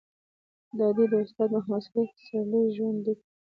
دا دي د استاد محمد صديق پسرلي ژوند ليک